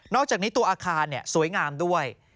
อกจากนี้ตัวอาคารสวยงามด้วย